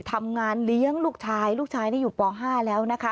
ทำงานเลี้ยงลูกชายลูกชายนี่อยู่ป๕แล้วนะคะ